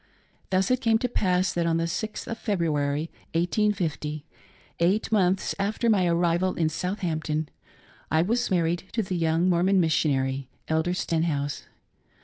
Thus it came to pass that on the 6th of February, 1850— eight months after my arrival in Southampton — I was mar ried to the young Mormon missionary, Elder Stenhouse.